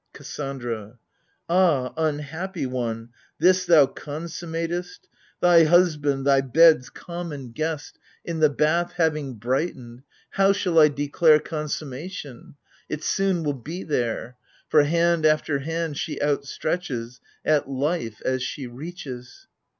KASSANDRA. Ah, unhappy one, this thou consummatest ? Thy husband, thy bed's common guest, AGAMEMNO.Y, 5 In the baih having brightened. .. How shall I declare Consummation ? It soon will be there : For hand after hand she outstretches, At life as she reaches